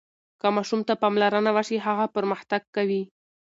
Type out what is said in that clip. که ماشوم ته پاملرنه وشي، هغه پرمختګ کوي.